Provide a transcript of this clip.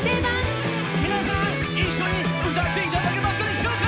皆さん一緒に歌って頂けましたでしょうか